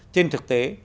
trên thực tế